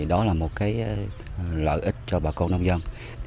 đó là một lợi ích cho bà con nông dân